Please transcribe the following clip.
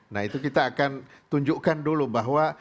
nah itu kita akan tunjukkan dulu bahwa